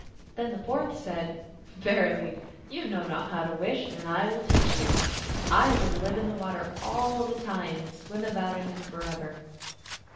Then the fourth said, " Verily, you know not how to wish, and I will teach you. I would live in the water all the time, and swim about in it forever."